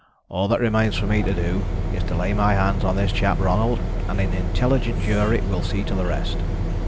All that remains for me to do is to lay my hands on this chap Ronald, and an intelligent jury will see to the rest."